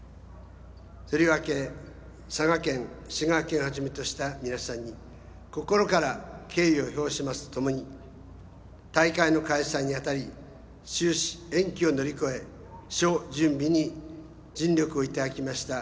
とりわけ、佐賀県、滋賀県をはじめとした皆さんに心から敬意を表しますとともに大会の開催にあたり中止・延期を乗り越え諸準備に尽力をいただきました